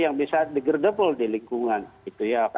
yang bisa degradable di lingkungan gitu ya